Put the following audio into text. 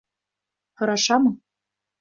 Һорашамы?